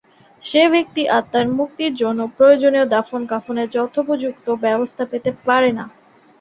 সে ব্যক্তি আত্মার মুক্তির জন্য প্রয়োজনীয় দাফনকাফনের যথোপযুক্ত ব্যবস্থা পেতে পারে না।